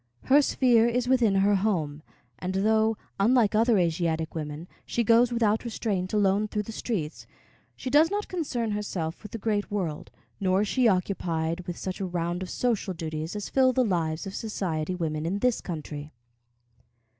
Her sphere is within her home, and though, unlike other Asiatic women, she goes without restraint alone through the streets, she does not concern herself with the great world, nor is she occupied with such a round of social duties as fill the lives of society women in this country.